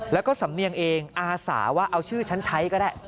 แล้วก็สำเนียงเองอาสาว่าเอาชื่อฉันใช้ก็ได้